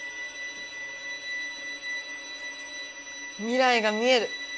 未来が見える！